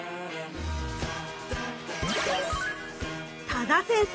多田先生